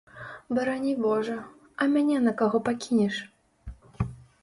Барані божа, а мяне на каго пакінеш?